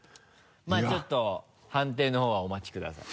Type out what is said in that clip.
まぁちょっと判定の方はお待ちください。